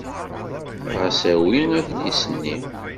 Ɣas awi adlis-nni.